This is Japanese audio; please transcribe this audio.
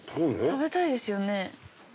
食べたいですよね。